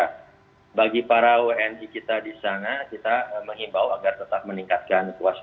nah bagi para wni kita disana kita